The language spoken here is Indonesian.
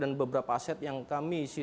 dan beberapa aset yang kami isi tahu